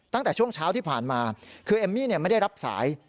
ตั้งแต่ช่วงเช้าที่ผ่านมาคือเอมมี่ไม่ได้รับสาย